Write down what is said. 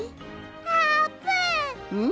あーぷん！